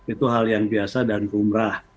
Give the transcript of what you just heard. itu hal yang biasa dan rumrah